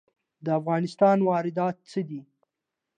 د افغانستان واردات څه دي؟